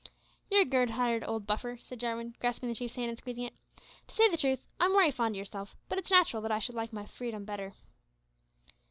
"You're a good hearted old buffer," said Jarwin, grasping the Chief's hand, and squeezing it; "to say the truth, I'm wery fond o' yourself, but it's nat'ral that I should like my freedom better."